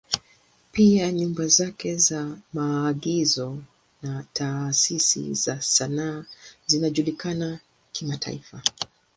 Pia nyumba zake za maigizo na taasisi za sanaa zinajulikana kimataifa.